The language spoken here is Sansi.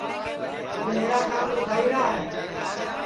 توں میرا کام رُدھائرا ہے